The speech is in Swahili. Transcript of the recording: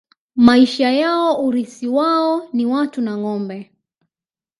Maisha yao urithi wao ni watu na ngombe